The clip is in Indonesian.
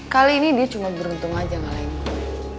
kali ini dia cuma beruntung aja ngalahin gue